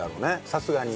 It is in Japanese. さすがに。